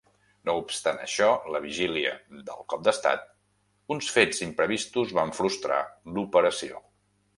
No obstant això, la vigília del cop d'estat, uns fets imprevistos van frustrar l'operació.